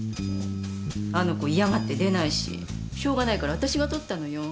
あの子嫌がって出ないししょうがないから私が取ったのよ。